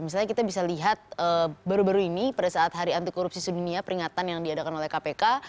misalnya kita bisa lihat baru baru ini pada saat hari anti korupsi sedunia peringatan yang diadakan oleh kpk